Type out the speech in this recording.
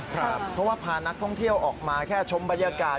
เพราะว่าพานักท่องเที่ยวออกมาแค่ชมบรรยากาศ